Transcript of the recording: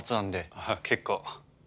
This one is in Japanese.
ああ結構。